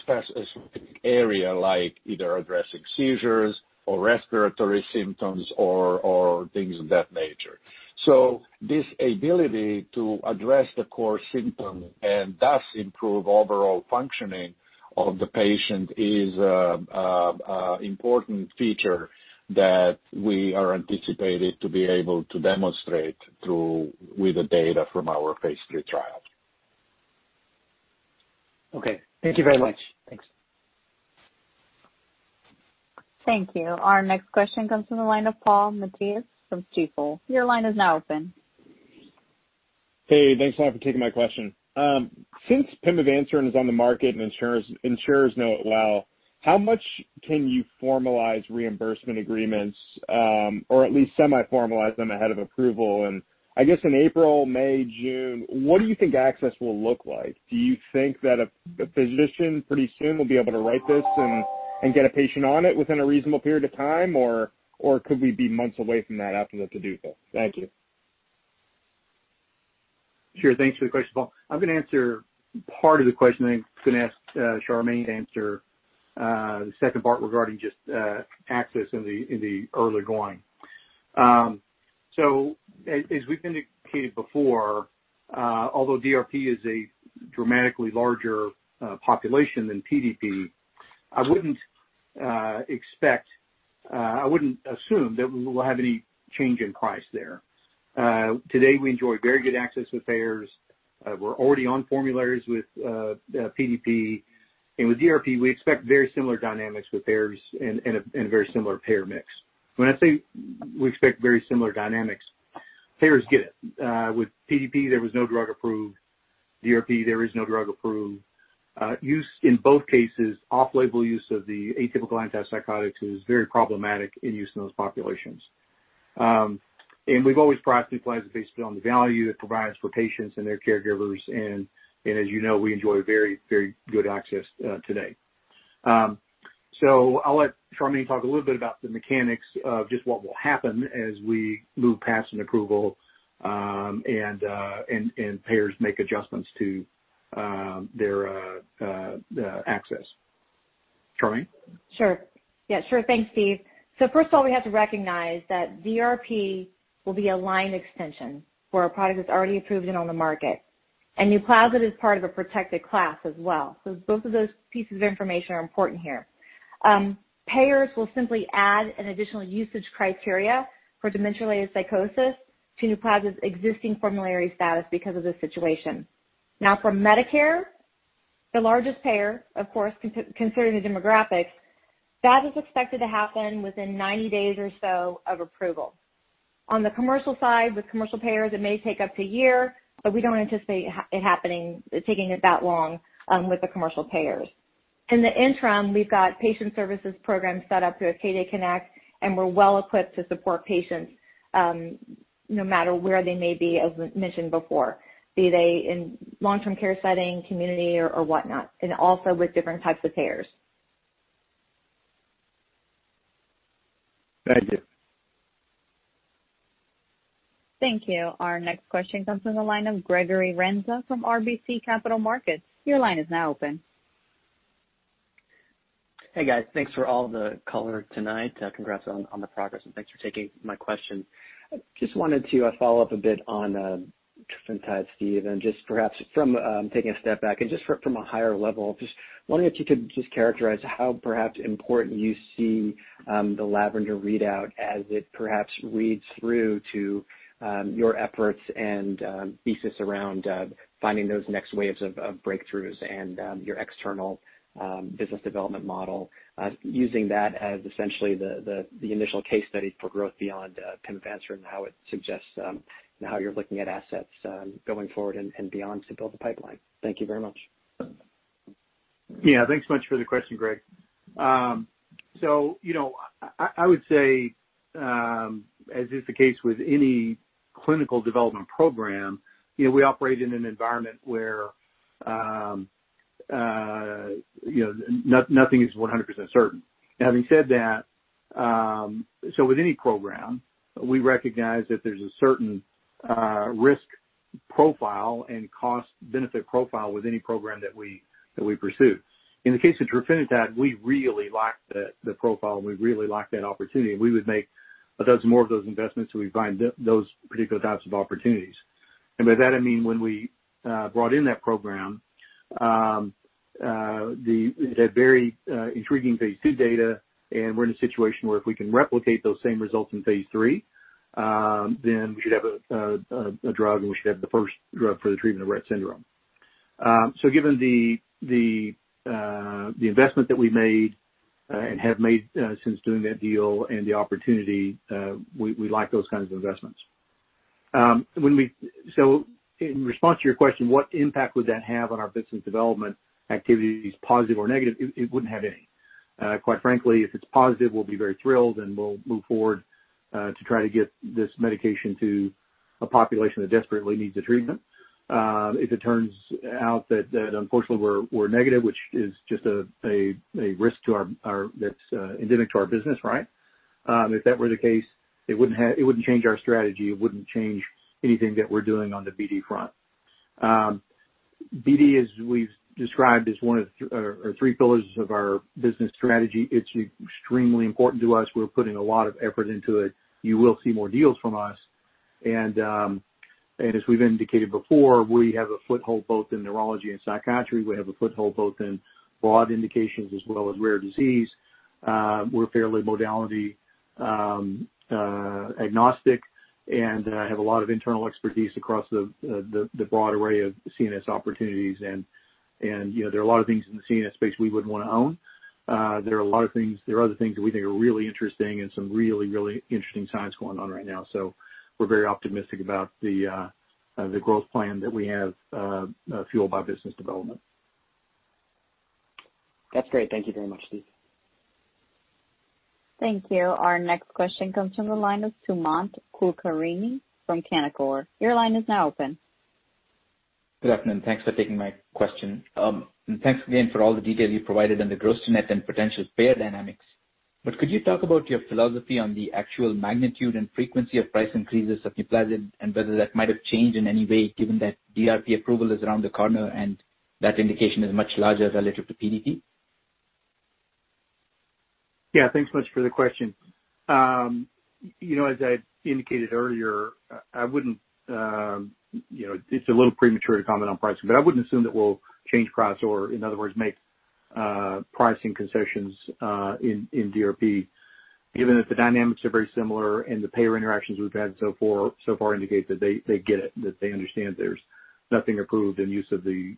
specific area, like either addressing seizures or respiratory symptoms or things of that nature. This ability to address the core symptom and thus improve overall functioning of the patient is important feature that we are anticipated to be able to demonstrate through with the data from our phase III trial. Okay. Thank you very much. Thanks. Thank you. Our next question comes from the line of Paul Matteis from Stifel. Your line is now open. Hey, thanks a lot for taking my question. Since pimavanserin is on the market and insurers know it well, how much can you formalize reimbursement agreements, or at least semi-formalize them ahead of approval? I guess in April, May, June, what do you think access will look like? Do you think that a physician pretty soon will be able to write this and get a patient on it within a reasonable period of time, or could we be months away from that after the PDUFA? Thank you. Sure. Thanks for the question, Paul. I'm going to answer part of the question, and I'm going to ask Charmaine to answer the second part regarding just access in the early going. As we've indicated before, although DRP is a dramatically larger population than PDP, I wouldn't assume that we will have any change in price there. Today, we enjoy very good access with payers. We're already on formularies with PDP. With DRP, we expect very similar dynamics with payers and a very similar payer mix. When I say we expect very similar dynamics, payers get it. With PDP, there was no drug approved. DRP, there is no drug approved. Use in both cases, off-label use of the atypical antipsychotics is very problematic in use in those populations. We've always priced NUPLAZID based it on the value it provides for patients and their caregivers. As you know, we enjoy very good access today. I'll let Charmaine talk a little bit about the mechanics of just what will happen as we move past an approval, and payers make adjustments to their access. Charmaine? Sure. Yeah. Sure. Thanks, Steve. First of all, we have to recognize that DRP will be a line extension for a product that's already approved and on the market, and NUPLAZID is part of a protected class as well. Payers will simply add an additional usage criteria for dementia-related psychosis to NUPLAZID's existing formulary status because of this situation. For Medicare, the largest payer, of course, considering the demographics, that is expected to happen within 90 days or so of approval. On the commercial side, with commercial payers, it may take up to a year, but we don't anticipate it taking it that long with the commercial payers. In the interim, we've got patient services programs set up through Acadia Connect, and we're well equipped to support patients, no matter where they may be, as mentioned before, be they in long-term care setting, community or whatnot, and also with different types of payers. Thank you. Thank you. Our next question comes from the line of Gregory Renza from RBC Capital Markets. Your line is now open. Hey, guys. Thanks for all the color tonight. Congrats on the progress, and thanks for taking my question. Just wanted to follow up a bit on trofinetide, Steve, and just perhaps from taking a step back and just from a higher level, just wondering if you could just characterize how perhaps important you see the LAVENDER readout as it perhaps reads through to your efforts and thesis around finding those next waves of breakthroughs and your external business development model, using that as essentially the initial case study for growth beyond pimavanserin and how it suggests and how you're looking at assets going forward and beyond to build the pipeline. Thank you very much. Yeah. Thanks much for the question, Greg. I would say, as is the case with any clinical development program, we operate in an environment where nothing is 100% certain. Now, having said that, so with any program, we recognize that there's a certain risk profile and cost benefit profile with any program that we pursue. In the case of trofinetide, we really like the profile, and we really like that opportunity, and we would make 12 more of those investments if we find those particular types of opportunities. By that, I mean when we brought in that program, it had very intriguing phase II data, and we're in a situation where if we can replicate those same results in phase III, then we should have a drug, and we should have the first drug for the treatment of Rett syndrome. Given the investment that we made and have made since doing that deal and the opportunity, we like those kinds of investments. In response to your question, what impact would that have on our business development activities, positive or negative? It wouldn't have any. Quite frankly, if it's positive, we'll be very thrilled, and we'll move forward to try to get this medication to a population that desperately needs a treatment. If it turns out that unfortunately we're negative, which is just a risk that's endemic to our business, right? If that were the case, it wouldn't change our strategy. It wouldn't change anything that we're doing on the BD front. BD, as we've described, is one of our three pillars of our business strategy. It's extremely important to us. We're putting a lot of effort into it. You will see more deals from us. As we've indicated before, we have a foothold both in neurology and psychiatry. We have a foothold both in broad indications as well as rare disease. We're fairly modality agnostic and have a lot of internal expertise across the broad array of CNS opportunities. There are a lot of things in the CNS space we wouldn't want to own. There are other things that we think are really interesting and some really interesting science going on right now. We're very optimistic about the growth plan that we have fueled by business development. That's great. Thank you very much, Steve. Thank you. Our next question comes from the line of Sumant Kulkarni from Canaccord. Your line is now open. Good afternoon. Thanks for taking my question. Thanks again for all the details you provided on the gross net and potential payer dynamics. Could you talk about your philosophy on the actual magnitude and frequency of price increases of NUPLAZID, and whether that might have changed in any way, given that DRP approval is around the corner and that indication is much larger as relative to PDP? Yeah, thanks much for the question. As I indicated earlier, it's a little premature to comment on pricing, but I wouldn't assume that we'll change price or, in other words, make pricing concessions in DRP, given that the dynamics are very similar and the payer interactions we've had so far indicate that they get it, that they understand there's nothing approved, and use of the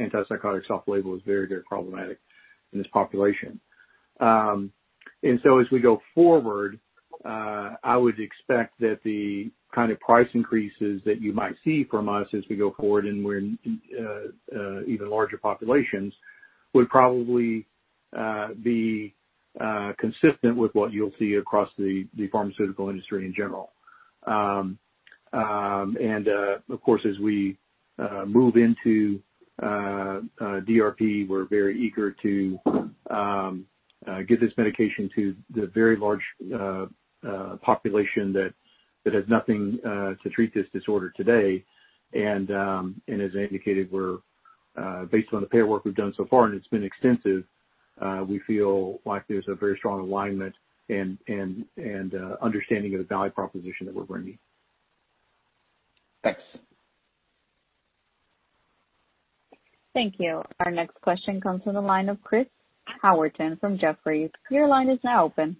antipsychotic soft label is very problematic in this population. As we go forward, I would expect that the kind of price increases that you might see from us as we go forward and we're in even larger populations would probably be consistent with what you'll see across the pharmaceutical industry in general. Of course, as we move into DRP, we're very eager to get this medication to the very large population that has nothing to treat this disorder today. As I indicated, based on the payer work we've done so far, and it's been extensive, we feel like there's a very strong alignment and understanding of the value proposition that we're bringing. Thanks. Thank you. Our next question comes from the line of Chris Howerton from Jefferies. Your line is now open.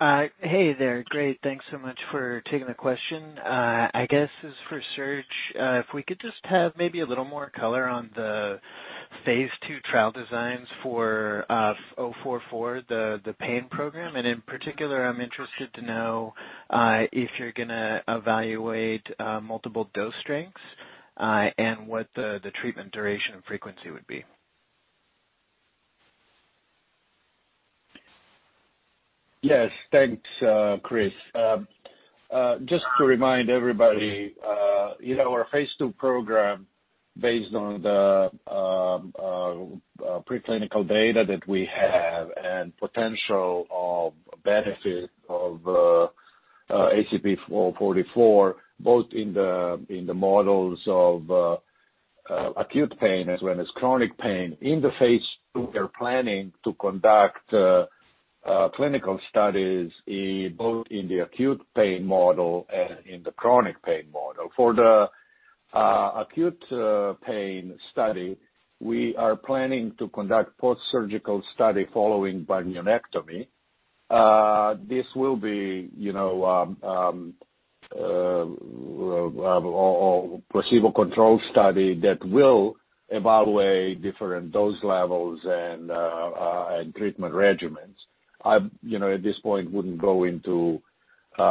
Hey there. Great, thanks so much for taking the question. I guess this is for Srdjan. If we could just have maybe a little more color on the phase II trial designs for ACP-044, the pain program. In particular, I'm interested to know if you're going to evaluate multiple dose strengths, and what the treatment duration and frequency would be. Yes, thanks, Chris. Just to remind everybody, our phase II program based on the preclinical data that we have and potential of benefit of ACP-044, both in the models of acute pain as well as chronic pain. In the phase II, we are planning to conduct clinical studies both in the acute pain model and in the chronic pain model. For the acute pain study, we are planning to conduct post-surgical study following bunionectomy. This will be a placebo-controlled study that will evaluate different dose levels and treatment regimens. I, at this point, wouldn't go into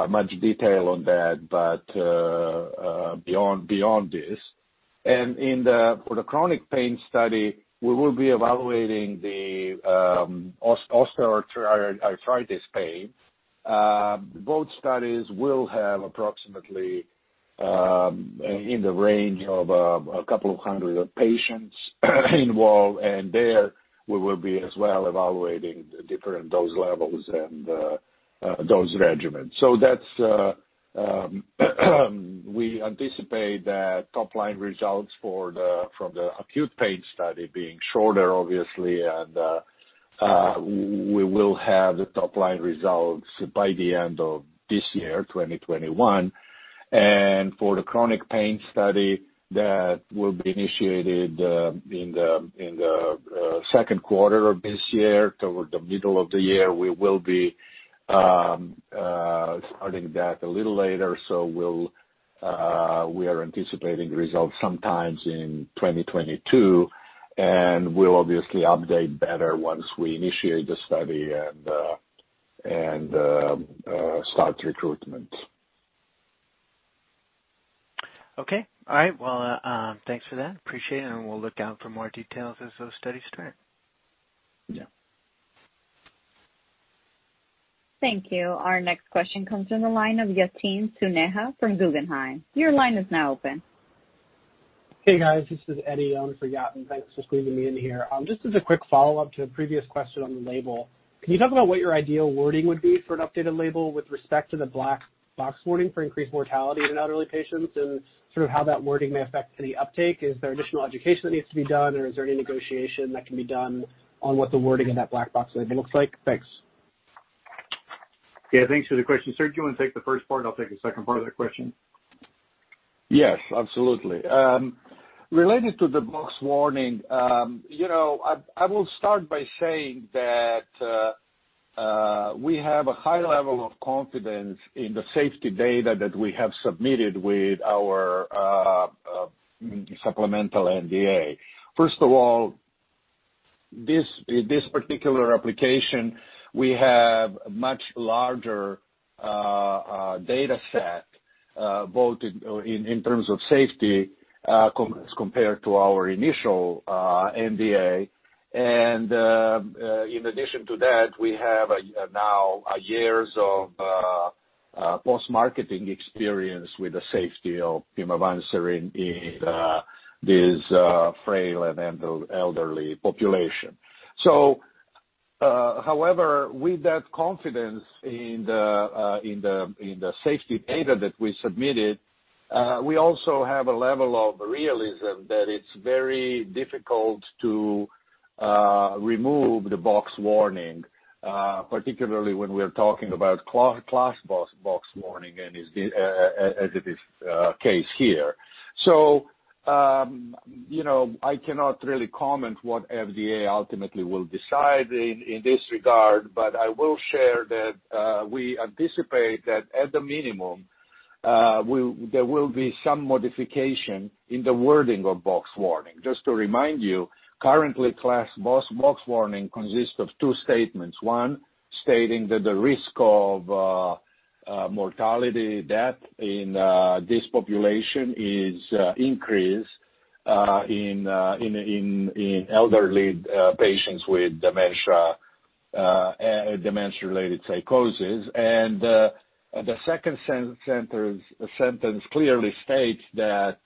much detail on that, but beyond this. For the chronic pain study, we will be evaluating the osteoarthritis pain. Both studies will have approximately in the range of 200 patients involved, and there we will be as well evaluating the different dose levels and dose regimens. We anticipate that top-line results from the acute pain study being shorter, obviously. We will have the top-line results by the end of this year, 2021. For the chronic pain study, that will be initiated in the second quarter of this year. Toward the middle of the year, we will be starting that a little later. We are anticipating results sometimes in 2022, and we'll obviously update better once we initiate the study and start recruitment. Okay. All right. Thanks for that. Appreciate it, and we'll look out for more details as those studies start. Yeah. Thank you. Our next question comes from the line of Yatin Suneja from Guggenheim. Your line is now open. Hey, guys. This is Eddie, line for Yatin. Thanks for squeezing me in here. Just as a quick follow-up to the previous question on the label, can you talk about what your ideal wording would be for an updated label with respect to the black box warning for increased mortality in elderly patients and sort of how that wording may affect any uptake? Is there additional education that needs to be done, or is there any negotiation that can be done on what the wording of that black box label looks like? Thanks. Yeah, thanks for the question. Srdjan, do you want to take the first part? I'll take the second part of that question. Yes, absolutely. Related to the box warning, I will start by saying that we have a high level of confidence in the safety data that we have submitted with our supplemental NDA. First of all, this particular application, we have a much larger dataset, both in terms of safety as compared to our initial NDA. In addition to that, we have now years of post-marketing experience with the safety of pimavanserin in this frail and elderly population. However, with that confidence in the safety data that we submitted, we also have a level of realism that it's very difficult to remove the box warning, particularly when we're talking about class box warning as it is case here. I cannot really comment what FDA ultimately will decide in this regard. I will share that we anticipate that at the minimum, there will be some modification in the wording of box warning. Just to remind you, currently class box warning consists of two statements. One stating that the risk of mortality, death in this population is increased in elderly patients with dementia-related psychosis. The second sentence clearly states that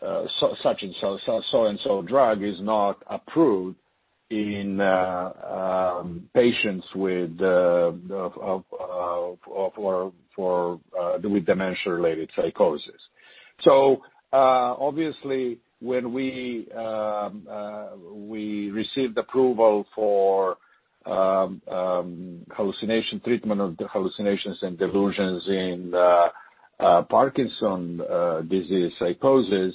so and so drug is not approved in patients with dementia-related psychosis. Obviously, when we received approval for treatment of the hallucinations and delusions in Parkinson's disease psychosis,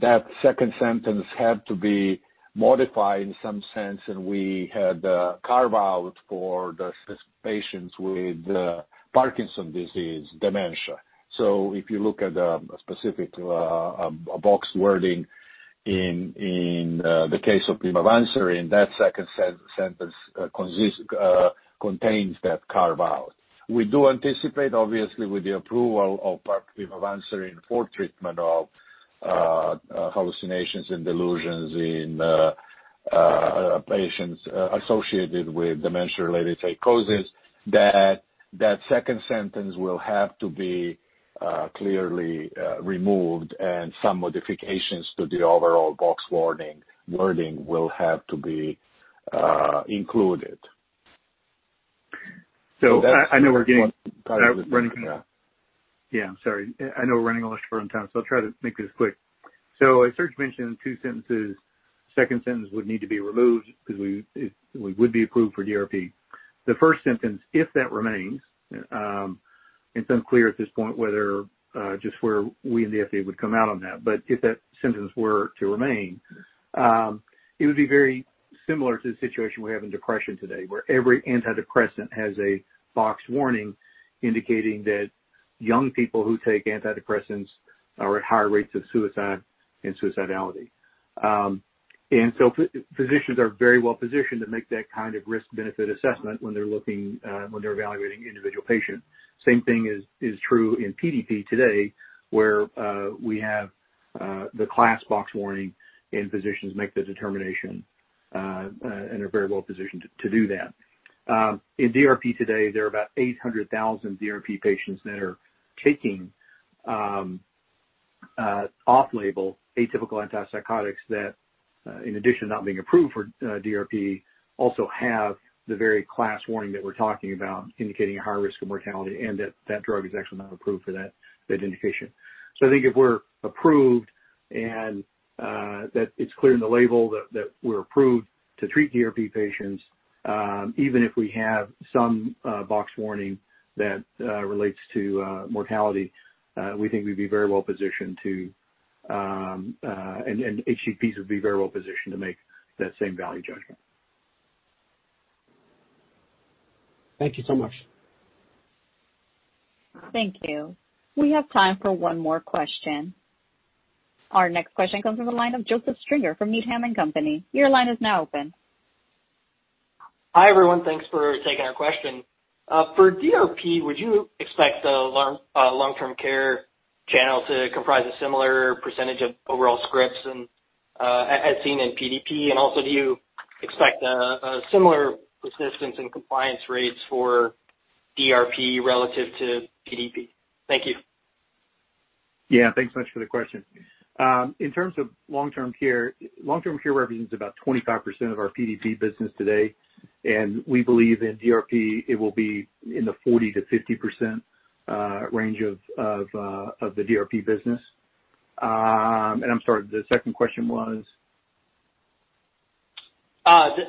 that second sentence had to be modified in some sense, and we had a carve-out for the patients with Parkinson's disease dementia. If you look at a specific box wording in the case of pimavanserin, that second sentence contains that carve-out. We do anticipate, obviously, with the approval of pimavanserin for treatment of hallucinations and delusions in patients associated with dementia-related psychoses, that that second sentence will have to be clearly removed, and some modifications to the overall box wording will have to be included. So I know we're getting- That's one part of the. Yeah. Sorry. I know we're running a little short on time, so I'll try to make this quick. As Srdjan mentioned, two sentences. Second sentence would need to be removed because we would be approved for DRP. The first sentence, if that remains, it's unclear at this point just where we and the FDA would come out on that. If that sentence were to remain, it would be very similar to the situation we have in depression today, where every antidepressant has a box warning indicating that young people who take antidepressants are at higher rates of suicide and suicidality. Physicians are very well positioned to make that kind of risk-benefit assessment when they're evaluating individual patients. Same thing is true in PDP today, where we have the class box warning, and physicians make the determination and are very well positioned to do that. In DRP today, there are about 800,000 DRP patients that are taking off-label atypical antipsychotics that in addition to not being approved for DRP, also have the very class warning that we're talking about indicating a high risk of mortality and that that drug is actually not approved for that indication. I think if we're approved and that it's clear in the label that we're approved to treat DRP patients, even if we have some box warning that relates to mortality, we think we'd be very well positioned, and HCPs would be very well positioned to make that same value judgment. Thank you so much. Thank you. We have time for one more question. Our next question comes from the line of Joseph Stringer from Needham & Company. Your line is now open. Hi, everyone. Thanks for taking our question. For DRP, would you expect the long-term care channel to comprise a similar % of overall scripts as seen in PDP? Also, do you expect a similar persistence in compliance rates for DRP relative to PDP? Thank you. Yeah. Thanks so much for the question. In terms of long-term care, long-term care represents about 25% of our PDP business today. We believe in DRP it will be in the 40%-50% range of the DRP business. I'm sorry, the second question was?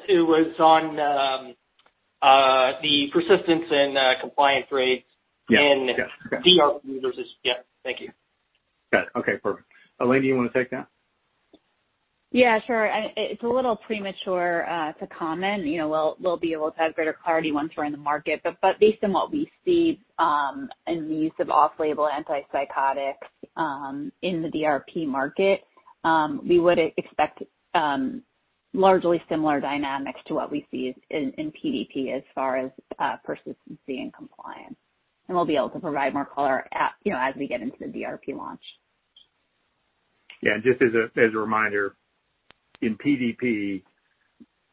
It was on the persistence and compliance rates. Yeah in DRP versus Yeah. Thank you. Got it. Okay, perfect. Elena, do you want to take that? Yeah, sure. It's a little premature to comment. We'll be able to have greater clarity once we're in the market. Based on what we see in the use of off-label antipsychotics in the DRP market, we would expect largely similar dynamics to what we see in PDP as far as persistency and compliance, and we'll be able to provide more color as we get into the DRP launch. Yeah. Just as a reminder, in PDP,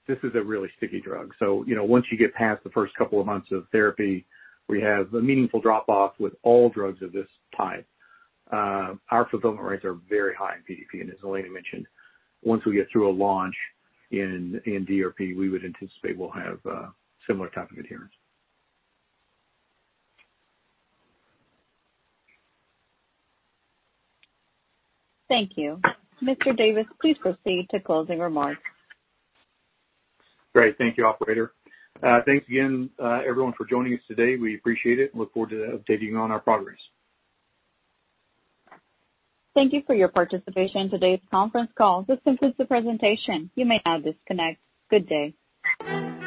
this is a really sticky drug. Once you get past the first couple of months of therapy, we have a meaningful drop-off with all drugs of this type. Our fulfillment rates are very high in PDP. As Elena mentioned, once we get through a launch in DRP, we would anticipate we'll have a similar type of adherence. Thank you. Mr. Davis, please proceed to closing remarks. Great. Thank you, operator. Thanks again everyone for joining us today. We appreciate it and look forward to updating you on our progress. Thank you for your participation in today's conference call. This concludes the presentation. You may now disconnect. Good day.